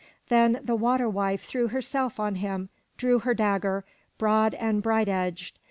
Then the water wife threw herself on him and drew her dagger, broad and bright edged.